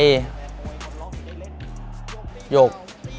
ยก